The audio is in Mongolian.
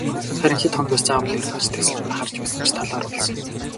Харин хэд хоногоос заавал ирнэ гэж тэсэлгүй харж байсан ч талаар болсон.